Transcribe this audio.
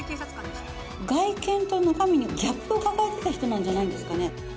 外見と中身にギャップを抱えていた人なんじゃないですかね。